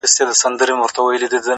يو ما و تا ـ